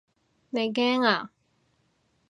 你驚啊？